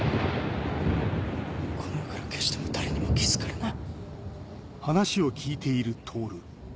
この世から消しても誰にも気付かれない。